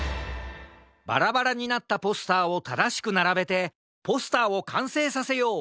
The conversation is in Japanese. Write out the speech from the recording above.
バラバラになったポスターをただしくならべてポスターをかんせいさせよう！